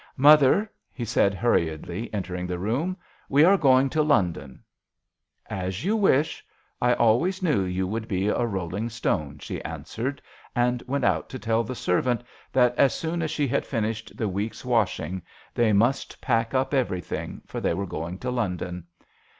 " Mother," he said, hurriedly entering the room, " we are going to London." " As you wish. I always knew you would be a rolling stone," she answered, and went out to tell the servant that as soon as she had finished the week's washing they must pack up 38 JOHN SHERMAN. everything, for they were going to London.